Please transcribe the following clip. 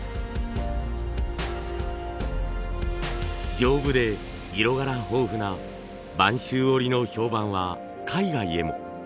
丈夫で色柄豊富な播州織の評判は海外へも。